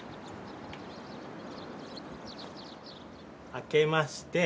あけまして。